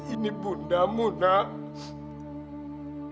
ini bunda mu nak